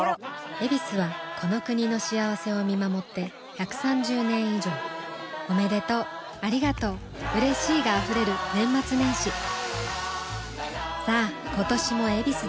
「ヱビス」はこの国の幸せを見守って１３０年以上おめでとうありがとううれしいが溢れる年末年始さあ今年も「ヱビス」で